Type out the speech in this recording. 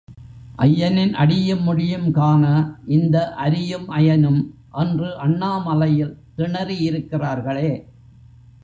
ஐயனின் அடியும் முடியும் காண இந்த அரியும் அயனும் அன்று அண்ணாமலையில் திணறி இருக்கிறார்களே.